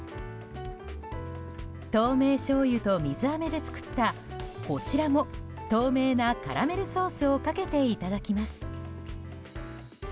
透明醤油と水あめで作ったこちらも透明なカラメルソースをかけて、いただきます。